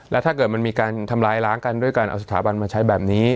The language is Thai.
แล้วถ้าเกิดมันมีการทำร้ายล้างกันด้วยการเอาสถาบันมาใช้แบบนี้